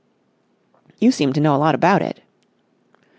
"You seem to know a lot about it!"